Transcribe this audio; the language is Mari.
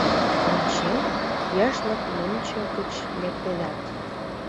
Ончем — яшлык лончо гыч лектедат.